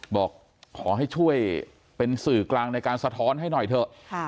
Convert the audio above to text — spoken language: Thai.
บอกขอให้ช่วยเป็นสื่อกลางในการสะท้อนให้หน่อยเถอะ